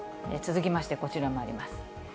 続きましてこちらもあります。